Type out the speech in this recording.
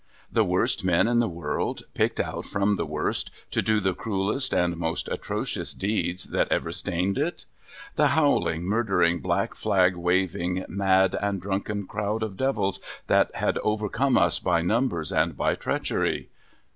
The worst men in the world picked out from the worst, to do the cruellest and most atrocious deeds that ever stained it? The howling, murdering, black flag waving, mad, and drunken crowd of devils that had over come us by numbers and by treacher}'